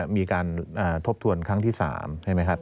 มีการทบทวนครั้งที่๓ใช่ไหมครับ